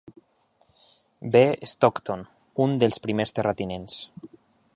B. Stockton, un dels primers terratinents.